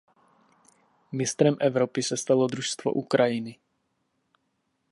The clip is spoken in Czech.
Mistrem Evropy se stalo družstvo Ukrajiny.